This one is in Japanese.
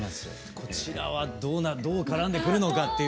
こちらはどう絡んでくるのかっていう。